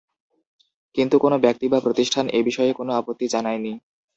কিন্তু কোনো ব্যক্তি বা প্রতিষ্ঠান এ বিষয়ে কোনো আপত্তি জানায়নি।